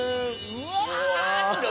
うわ！